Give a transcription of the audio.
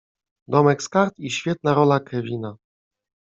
Domek z Kart i świetna rola Kevina.